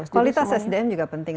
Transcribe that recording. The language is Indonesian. kualitas sdm juga penting